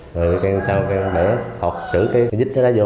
rồi càng sau càng bẻ khọt sử cái dít cái lá vô